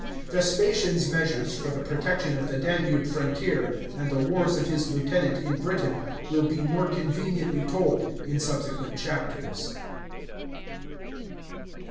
Vespasian's measures for the protection of the Danube frontier and the wars of his lieutenant in Britain will be more conveniently told in subsequent chapters.